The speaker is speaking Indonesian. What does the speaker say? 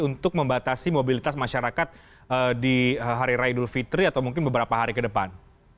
untuk membatasi mobilitas masyarakat di hari raya idul fitri atau mungkin beberapa hari ke depan